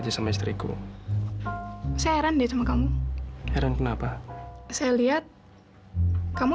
itu mah yang terserah